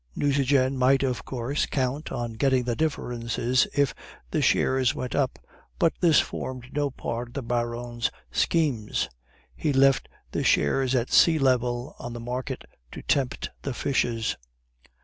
"Nucingen might, of course, count on getting the differences if the shares went up, but this formed no part of the Baron's schemes; he left the shares at sea level on the market to tempt the fishes.